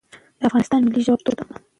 دا افغانستان ملی ژبه پښتو ده